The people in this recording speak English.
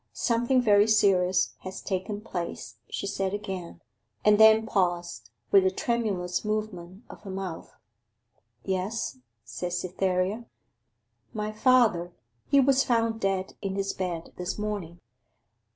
'Something very serious has taken place,' she said again, and then paused, with a tremulous movement of her mouth. 'Yes,' said Cytherea. 'My father. He was found dead in his bed this morning.